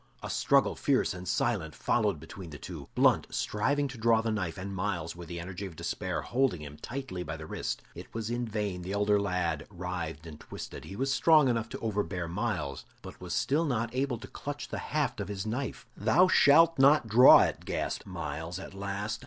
A struggle fierce and silent followed between the two; Blunt striving to draw his knife, and Myles, with the energy of despair, holding him tightly by the wrist. It was in vain the elder lad writhed and twisted; he was strong enough to overbear Myles, but still was not able to clutch the haft of his knife. "Thou shalt not draw it!" gasped Myles at last.